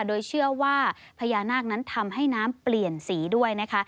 โดยเชื่อว่าพญานาคนั้นทำให้น้ำเปลี่ยนสีด้วยนะคะ